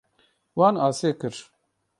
Wan asê kir.